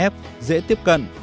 f dễ tiếp cận